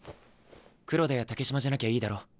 黒田や竹島じゃなきゃいいだろ？